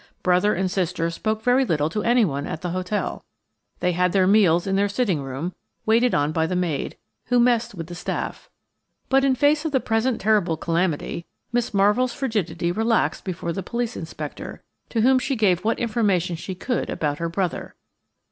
Brother and sister spoke very little to anyone at the hotel. They had their meals in their sitting room, waited on by the maid, who messed with the staff. But, in face of the present terrible calamity, Miss Marvell's frigidity relaxed before the police inspector, to whom she gave what information she could about her brother.